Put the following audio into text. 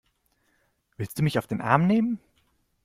Willst du mich auf den Arm nehmen?